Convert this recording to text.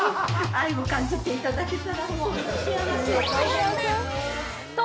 愛を感じていただけたらそんな、幸せ。